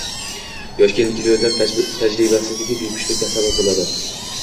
Yosh kelin-kuyovlar tajribasizligi bepushtlikka sabab bo‘ladi.